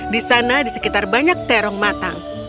di sana di sekitar banyak terong matang